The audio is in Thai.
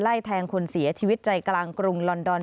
แทงคนเสียชีวิตใจกลางกรุงลอนดอน